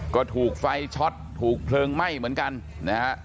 ก็ถูกไฟช็อตถูกเพลิงไหม้เหมือนกันนะฮะ